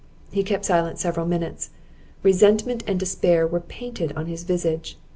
He kept silent several minutes, resentment and despair were painted on his visage.